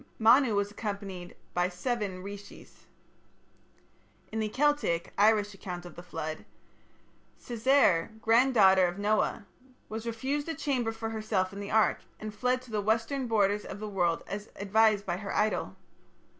Manu was accompanied by seven rishis. In the Celtic (Irish) account of the flood, Cessair, granddaughter of Noah, was refused a chamber for herself in the ark, and fled to the western borders of the world as advised by her idol.